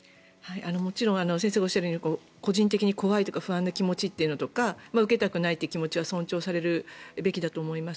もちろん先生がおっしゃるように個人的に怖いとか不安な気持ちとか受けたくない気持ちは尊重されるべきだと思います。